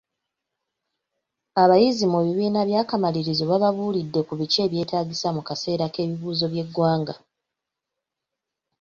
Abayizi mu bibiina eby'akamalirizo bababuulidde ku biki e byetaagisa mu kaseera k'ebibuuzo by'eggwanga.